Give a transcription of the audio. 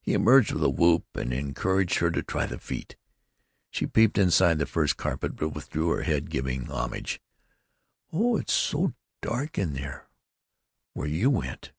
He emerged with a whoop and encouraged her to try the feat. She peeped inside the first carpet, but withdrew her head, giving homage: "Oh, it's so dark in there where you went!"